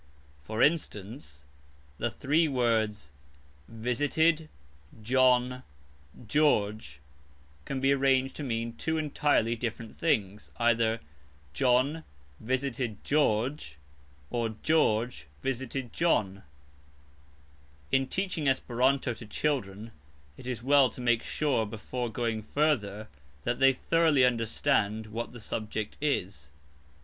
For instance, the three words visited, John, George, can be arranged to mean two entirely, different things, either "John visited George," or "George visited John." [Footnote: In teaching Esperanto to children it is well to make sure before going further that they thoroughly understand, what the subject is.